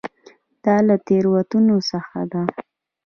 دا له تېروتنو څخه ده.